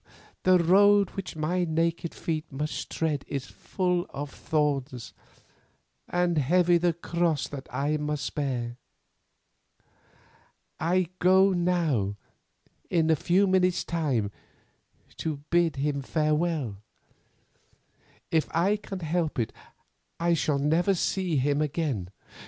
the road which my naked feet must tread is full of thorns, and heavy the cross that I must bear. I go now, in a few minutes' time, to bid him farewell. If I can help it I shall never see him again.